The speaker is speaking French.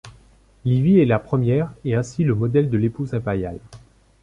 Livie est la première, et ainsi le modèle de l’épouse impériale.